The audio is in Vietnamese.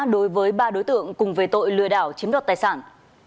đối với ba đối tượng cùng về tội lừa đảo chiếm đoạt tài sản